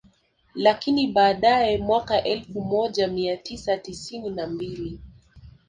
Lakini baadae mwaka elfu moja mia tisa tisini na mbili